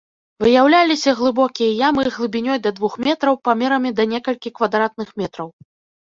Выяўляліся глыбокія ямы, глыбінёй да двух метраў, памерамі да некалькі квадратных метраў.